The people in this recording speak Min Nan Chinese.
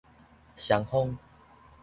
雙方